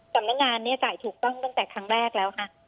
สำนักงานเนี่ยจ่ายถูกต้องตั้งแต่ครั้งแรกแล้วค่ะ